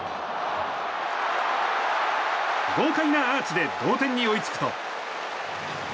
豪快なアーチで同点に追いつくと。